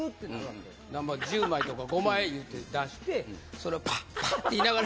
１０枚とか５枚いうて出してそれを。